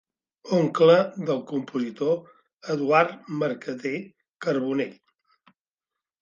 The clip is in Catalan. Oncle del compositor Eduard Mercader Carbonell.